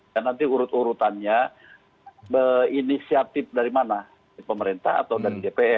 kalau pks yang membawa uang